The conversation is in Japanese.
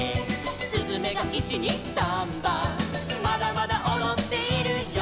「すずめが１・２・サンバ」「まだまだおどっているよ」